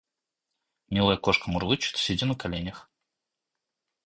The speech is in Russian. Милая кошка мурлычет, сидя на коленях.